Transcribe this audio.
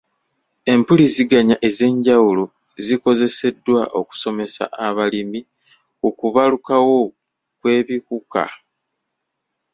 Empuliziganya ez'enjawulo zikozeseddwa okusomesa abalimi ku kubalukawo kw'ebiwuka.